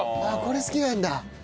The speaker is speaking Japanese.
これ好きなんだ。